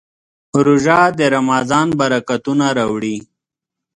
روژه د رمضان برکتونه راوړي.